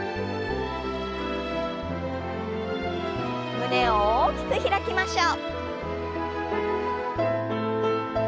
胸を大きく開きましょう。